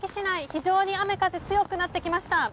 非常に雨風強くなってきました。